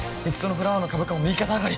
フラワーの株価も右肩上がり